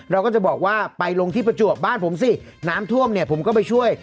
เราก็จะบอกว่าไปลงที่ประจวบบ้านผมสิน้ำท่วมเนี่ยผมก็ไปช่วย